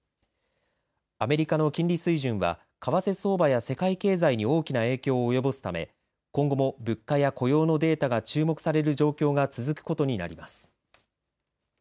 アメリカの金利水準は為替相場や世界経済に大きな影響を及ぼすため今後も物価や雇用のデータが注目される状況が続くことになります。